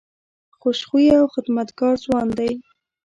خوش خویه او خدمتګار ځوان دی.